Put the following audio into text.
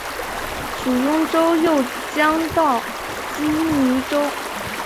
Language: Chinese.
属邕州右江道羁縻州。